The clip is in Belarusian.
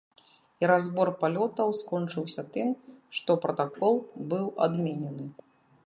І разбор палётаў скончыўся тым, што пратакол быў адменены.